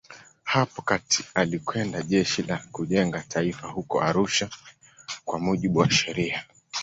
Hapo kati alikwenda Jeshi la Kujenga Taifa huko Arusha kwa mujibu wa sheria.